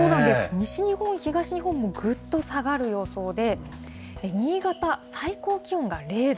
西日本、東日本もぐっと下がる予想で、新潟、最高気温が０度。